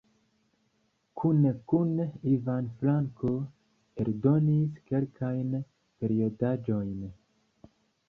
Kune kun Ivan Franko eldonis kelkajn periodaĵojn.